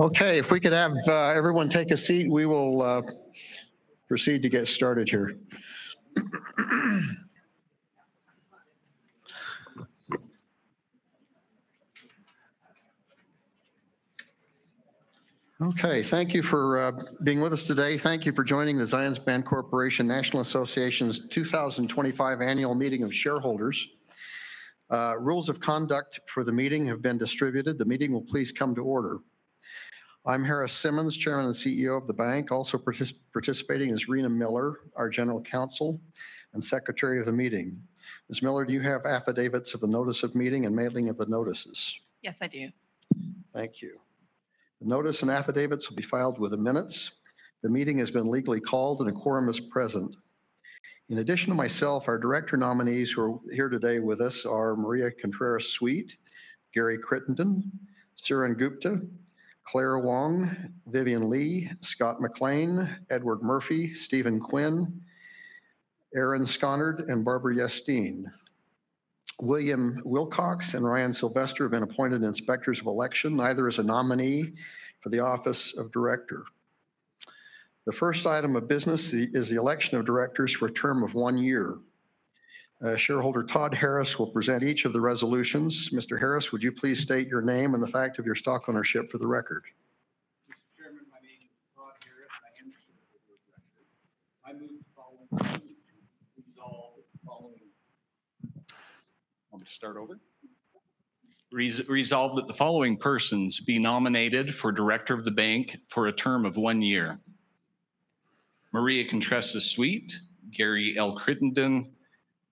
Okay, if we could have everyone take a seat, we will proceed to get started here. Okay, thank you for being with us today. Thank you for joining the Zions Bancorporation National Association's 2025 Annual Meeting of Shareholders. Rules of conduct for the meeting have been distributed. The meeting will please come to order. I'm Harris Simmons, Chairman and CEO of the bank. Also participating is Rena Miller, our General Counsel and Secretary of the meeting. Ms. Miller, do you have affidavits of the notice of meeting and mailing of the notices? Yes, I do. Thank you. The notice and affidavits will be filed within minutes. The meeting has been legally called and the quorum is present. In addition to myself, our director nominees who are here today with us are Maria Contreras-Sweet, Gary Crittenden, Suren Gupta, Claire Huang, Vivian Lee, Scott McLean, Edward Murphy, Stephen Quinn, Aaron Skonnard, and Barbara Yastine. William Wilcox and Ryan Silvester have been appointed inspectors of election, neither is a nominee for the office of director. The first item of business is the election of directors for a term of one year. Shareholder Todd Harris will present each of the resolutions. Mr. Harris, would you please state your name and the fact of your stock ownership for the record? Mr. Chairman, my name is Todd Harris. I am the shareholder of the record. I move the following resolve that the following—I'm going to start over. Resolve that the following persons be nominated for director of the bank for a term of one year: Maria Contreras-Sweet, Gary L. Crittenden,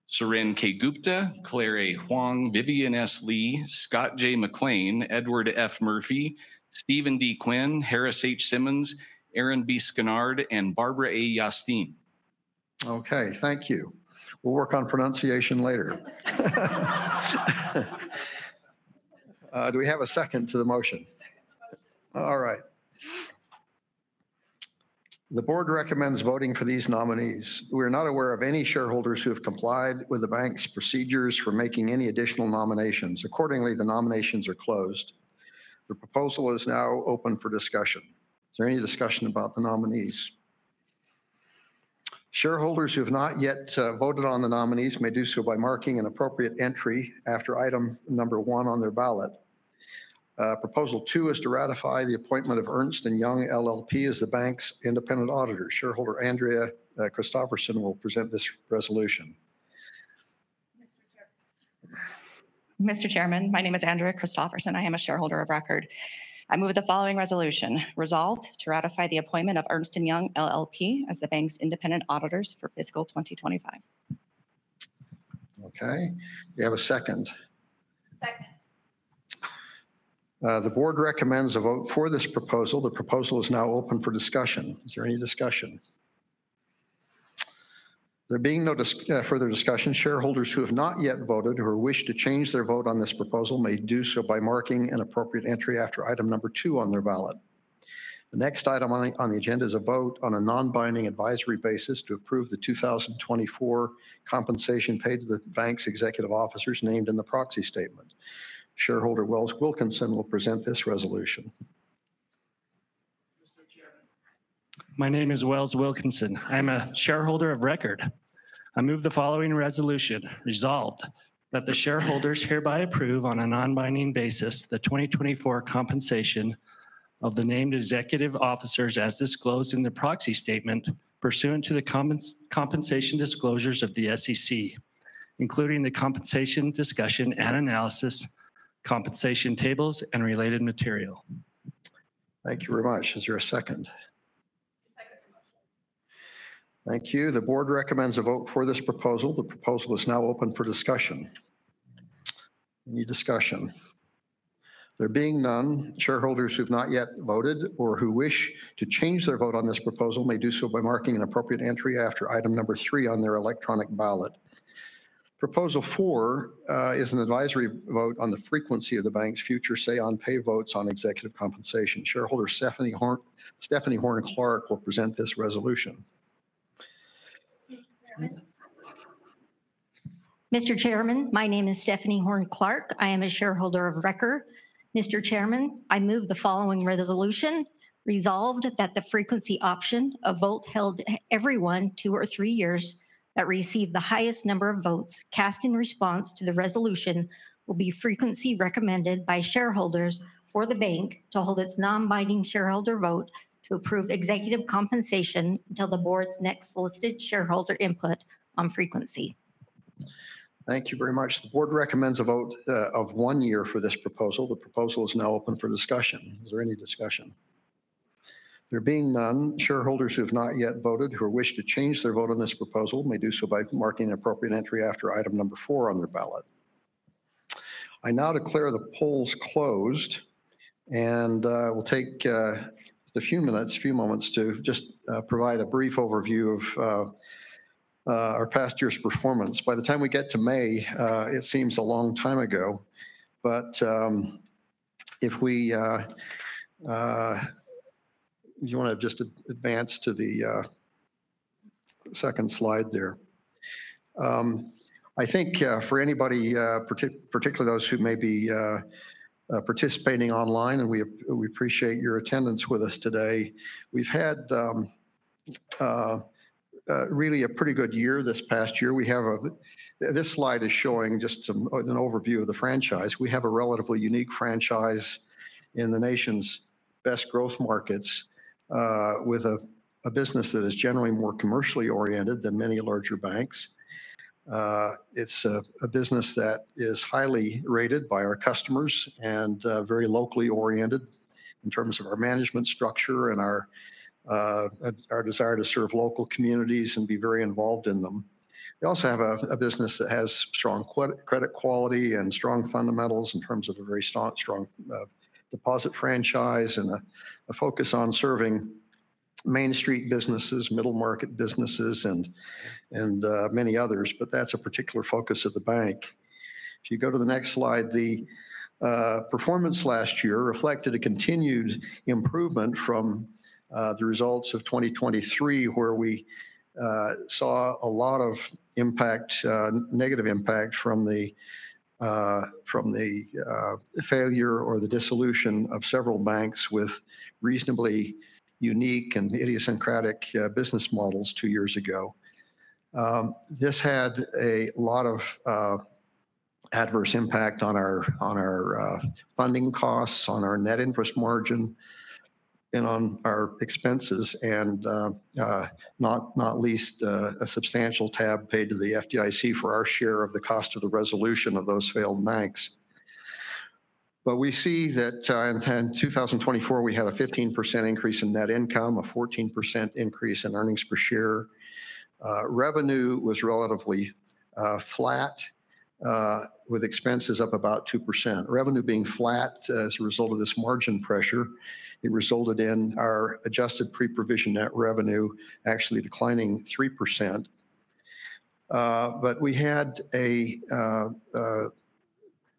Suren K. Gupta, Claire A. Huang, Vivian S. Lee, Scott J. McLean, Edward F. Murphy, Stephen D. Quinn, Harris H. Simmons, Aaron B. Skonnard, and Barbara A. Yastine. Okay, thank you. We'll work on pronunciation later. Do we have a second to the motion? All right. The Board recommends voting for these nominees. We are not aware of any shareholders who have complied with the bank's procedures for making any additional nominations. Accordingly, the nominations are closed. The proposal is now open for discussion. Is there any discussion about the nominees? Shareholders who have not yet voted on the nominees may do so by marking an appropriate entry after item number one on their ballot. Proposal two is to ratify the appointment of Ernst & Young LLP as the bank's independent auditor. Shareholder Andrea Christopherson will present this resolution. Mr. Chairman, my name is Andrea Christopherson. I am a shareholder of record. I move the following resolution: resolve to ratify the appointment of Ernst & Young LLP as the bank's independent auditors for fiscal 2025. Okay. Do you have a second? The Board recommends a vote for this proposal. The proposal is now open for discussion. Is there any discussion? There being no further discussion, shareholders who have not yet voted or wish to change their vote on this proposal may do so by marking an appropriate entry after item number two on their ballot. The next item on the agenda is a vote on a non-binding advisory basis to approve the 2024 compensation paid to the bank's executive officers named in the proxy statement. Shareholder Wells Wilkinson will present this resolution. Mr. Chairman, my name is Wells Wilkinson. I'm a shareholder of record. I move the following resolution: Resolved that the shareholders hereby approve on a non-binding basis the 2024 compensation of the named executive officers as disclosed in the proxy statement pursuant to the compensation disclosures of the SEC, including the compensation discussion and analysis, compensation tables, and related material. Thank you very much. Is there a second? Thank you. The Board recommends a vote for this proposal. The proposal is now open for discussion. Any discussion? There being none, shareholders who have not yet voted or who wish to change their vote on this proposal may do so by marking an appropriate entry after item number three on their electronic ballot. Proposal four is an advisory vote on the frequency of the bank's future, say-on-pay votes on executive compensation. Shareholder Stephanie Horne Clark will present this resolution. Mr. Chairman, my name is Stephanie Horne Clark. I am a shareholder of record. Mr. Chairman, I move the following resolution: resolved that the frequency option of vote held every one, two, or three years that receives the highest number of votes cast in response to the resolution will be the frequency recommended by shareholders for the bank to hold its non-binding shareholder vote to approve executive compensation until the Board's next solicited shareholder input on frequency. Thank you very much. The Board recommends a vote of one year for this proposal. The proposal is now open for discussion. Is there any discussion? There being none, shareholders who have not yet voted who wish to change their vote on this proposal may do so by marking an appropriate entry after item number four on their ballot. I now declare the polls closed and will take just a few moments to just provide a brief overview of our past year's performance. By the time we get to May, it seems a long time ago, but if we—if you want to just advance to the second slide there. I think for anybody, particularly those who may be participating online, and we appreciate your attendance with us today, we've had really a pretty good year this past year. This slide is showing just an overview of the franchise. We have a relatively unique franchise in the nation's best growth markets with a business that is generally more commercially oriented than many larger banks. It's a business that is highly rated by our customers and very locally oriented in terms of our management structure and our desire to serve local communities and be very involved in them. We also have a business that has strong credit quality and strong fundamentals in terms of a very strong deposit franchise and a focus on serving Main Street businesses, middle market businesses, and many others, but that's a particular focus of the bank. If you go to the next slide, the performance last year reflected a continued improvement from the results of 2023, where we saw a lot of impact, negative impact from the failure or the dissolution of several banks with reasonably unique and idiosyncratic business models two years ago. This had a lot of adverse impact on our funding costs, on our net interest margin, and on our expenses, and not least, a substantial tab paid to the FDIC for our share of the cost of the resolution of those failed banks. We see that in 2024, we had a 15% increase in net income, a 14% increase in earnings per share. Revenue was relatively flat, with expenses up about 2%. Revenue being flat as a result of this margin pressure, it resulted in our adjusted pre-provision net revenue actually declining 3%. We had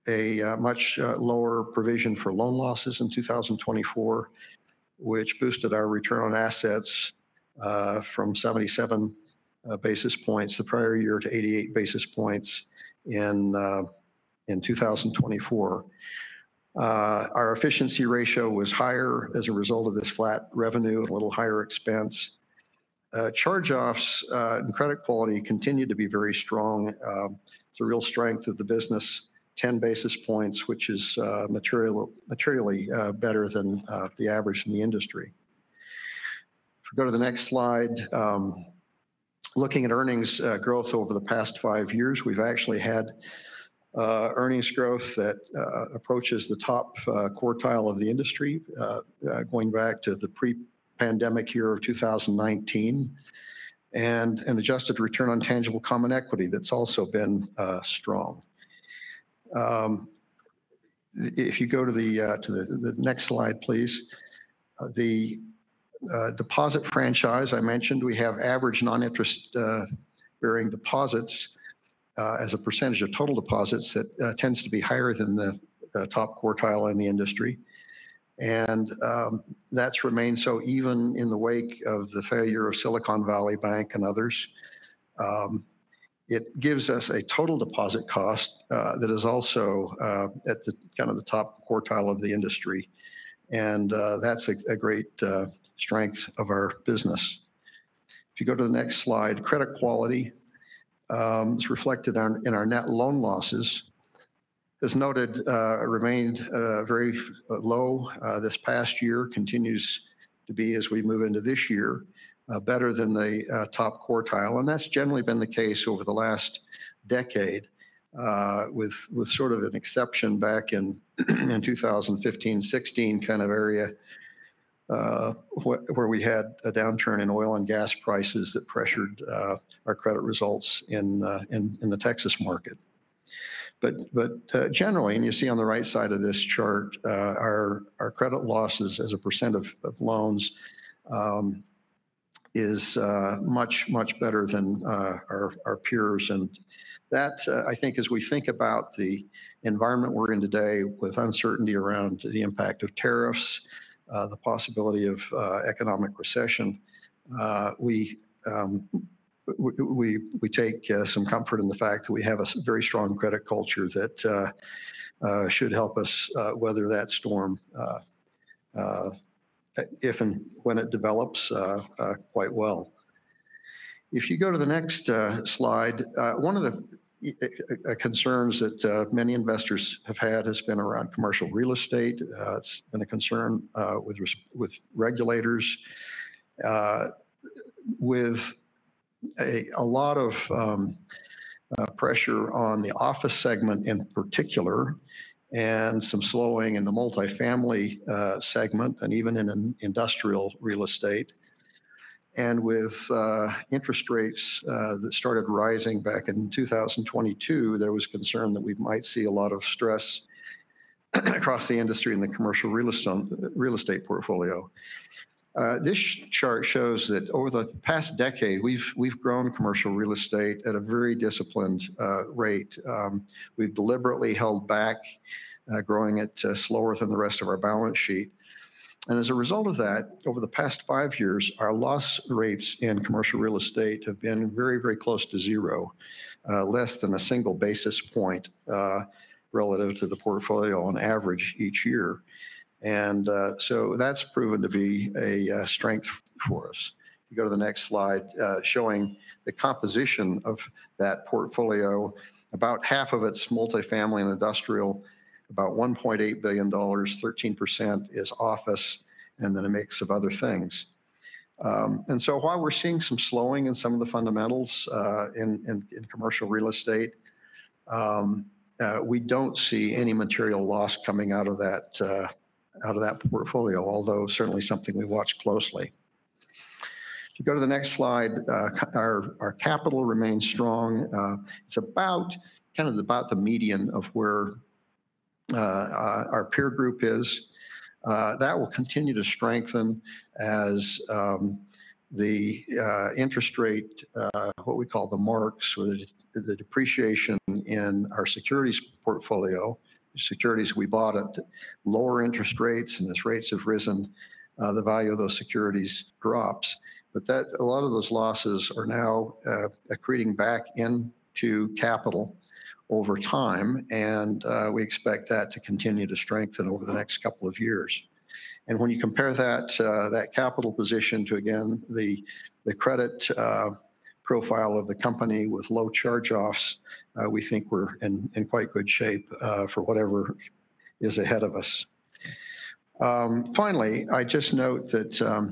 a much lower provision for loan losses in 2024, which boosted our return on assets from 77 basis points the prior year to 88 basis points in 2024. Our efficiency ratio was higher as a result of this flat revenue, a little higher expense. Charge-offs and credit quality continued to be very strong. It's a real strength of the business: 10 basis points, which is materially better than the average in the industry. If we go to the next slide, looking at earnings growth over the past five years, we've actually had earnings growth that approaches the top quartile of the industry, going back to the pre-pandemic year of 2019, and an adjusted return on tangible common equity that's also been strong. If you go to the next slide, please, the deposit franchise I mentioned, we have average non-interest-bearing deposits as a percentage of total deposits that tends to be higher than the top quartile in the industry. That has remained so even in the wake of the failure of Silicon Valley Bank and others. It gives us a total deposit cost that is also at the kind of the top quartile of the industry. That is a great strength of our business. If you go to the next slide, credit quality is reflected in our net loan losses. As noted, it remained very low this past year, continues to be as we move into this year, better than the top quartile. That's generally been the case over the last decade, with sort of an exception back in 2015-2016 kind of area where we had a downturn in oil and gas prices that pressured our credit results in the Texas market. Generally, you see on the right side of this chart, our credit losses as a percent of loans is much, much better than our peers. That, I think, as we think about the environment we're in today with uncertainty around the impact of tariffs, the possibility of economic recession, we take some comfort in the fact that we have a very strong credit culture that should help us weather that storm if and when it develops quite well. If you go to the next slide, one of the concerns that many investors have had has been around commercial real estate. It's been a concern with regulators, with a lot of pressure on the office segment in particular, and some slowing in the multifamily segment, and even in industrial real estate. With interest rates that started rising back in 2022, there was concern that we might see a lot of stress across the industry in the commercial real estate portfolio. This chart shows that over the past decade, we've grown commercial real estate at a very disciplined rate. We've deliberately held back, growing it slower than the rest of our balance sheet. As a result of that, over the past five years, our loss rates in commercial real estate have been very, very close to zero, less than a single basis point relative to the portfolio on average each year. That has proven to be a strength for us. If you go to the next slide, showing the composition of that portfolio, about half of it's multifamily and industrial, about $1.8 billion, 13% is office, and then a mix of other things. While we're seeing some slowing in some of the fundamentals in commercial real estate, we don't see any material loss coming out of that portfolio, although certainly something we watch closely. If you go to the next slide, our capital remains strong. It's kind of about the median of where our peer group is. That will continue to strengthen as the interest rate, what we call the marks, or the depreciation in our securities portfolio, securities we bought at lower interest rates, and as rates have risen, the value of those securities drops. A lot of those losses are now accreting back into capital over time, and we expect that to continue to strengthen over the next couple of years. When you compare that capital position to, again, the credit profile of the company with low charge-offs, we think we're in quite good shape for whatever is ahead of us. Finally, I just note that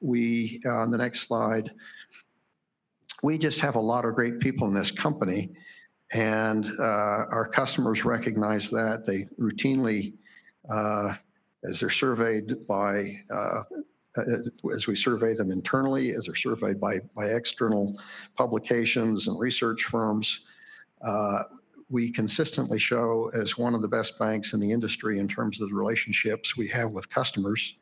we, on the next slide, we just have a lot of great people in this company, and our customers recognize that. They routinely, as they're surveyed by, as we survey them internally, as they're surveyed by external publications and research firms, we consistently show as one of the best banks in the industry in terms of the relationships we have with customers,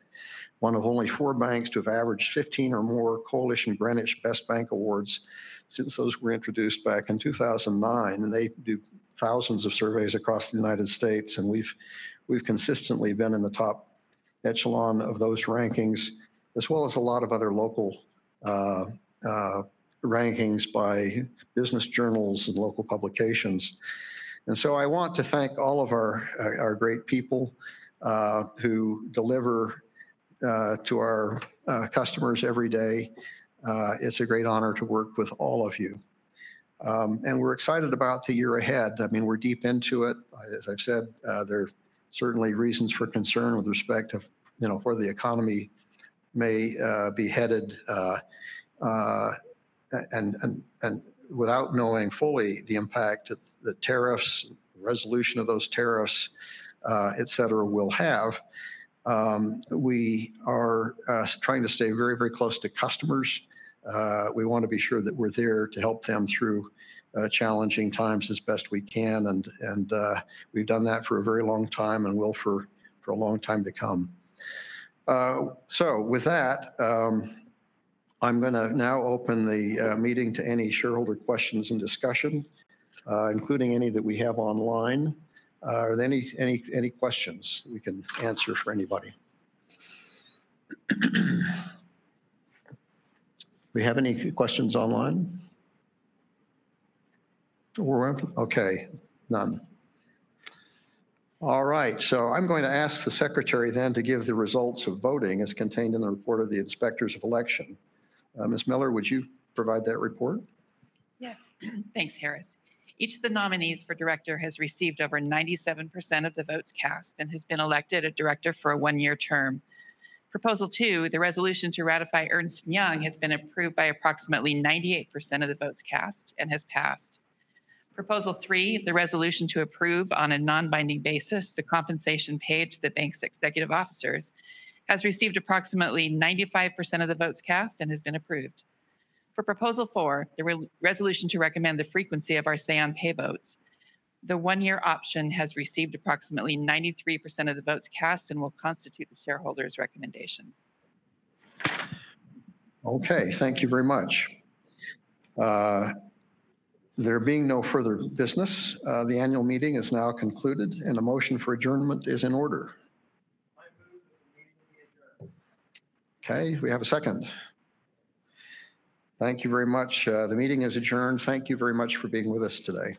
one of only four banks to have averaged 15 or more Coalition Greenwich Best Bank Awards since those were introduced back in 2009. They do thousands of surveys across the United States, and we've consistently been in the top echelon of those rankings, as well as a lot of other local rankings by business journals and local publications. I want to thank all of our great people who deliver to our customers every day. It's a great honor to work with all of you. We're excited about the year ahead. I mean, we're deep into it. As I've said, there are certainly reasons for concern with respect to where the economy may be headed, and without knowing fully the impact that the tariffs, resolution of those tariffs, et cetera, will have. We are trying to stay very, very close to customers. We want to be sure that we're there to help them through challenging times as best we can, and we've done that for a very long time and will for a long time to come. With that, I'm going to now open the meeting to any shareholder questions and discussion, including any that we have online. Are there any questions we can answer for anybody? Do we have any questions online? Okay. None. All right. I'm going to ask the Secretary then to give the results of voting as contained in the report of the inspectors of election. Ms. Miller, would you provide that report? Yes. Thanks, Harris. Each of the nominees for director has received over 97% of the votes cast and has been elected a director for a one-year term. Proposal two, the resolution to ratify Ernst & Young has been approved by approximately 98% of the votes cast and has passed. Proposal three, the resolution to approve on a non-binding basis the compensation paid to the bank's executive officers has received approximately 95% of the votes cast and has been approved. For proposal four, the resolution to recommend the frequency of our say-on-pay votes, the one-year option has received approximately 93% of the votes cast and will constitute the shareholders' recommendation. Okay. Thank you very much. There being no further business, the annual meeting is now concluded, and a motion for adjournment is in order. I move that the meeting be adjourned. Okay. We have a second. Thank you very much. The meeting is adjourned. Thank you very much for being with us today.